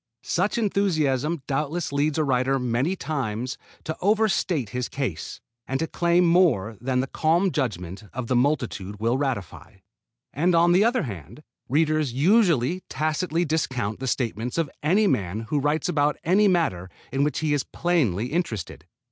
Such enthusiasm doubtless leads a writer many times to over state his case, and to claim more than the calm judgment of the multitude will ratify. And on the other hand, readers usually tacitly discount the statements of any man who writes about any matter in which he is plainly interested.